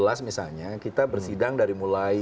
iya tanggal enam belas misalnya kita bersidang dari mulai